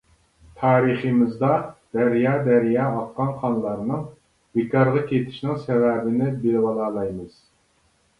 تارىخىمىزدا دەريا-دەريا ئاققان قانلارنىڭ بىكارغا كېتىشىنىڭ سەۋەبىنى بىلىۋالالايمىز.